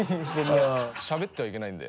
しゃべってはいけないんで。